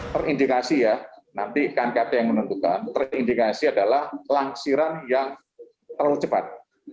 terindikasi ya nanti kan kt yang menentukan terindikasi adalah lansiran yang terlalu cepat